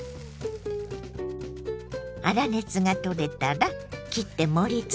粗熱が取れたら切って盛りつけましょ。